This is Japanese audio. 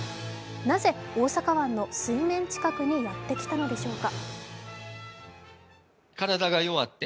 なぜ大阪湾の水面近くにやってきたのでしょうか？